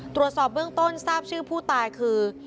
ตรวจสอบเบื้องต้นทราบชื่อผู้ตายคือ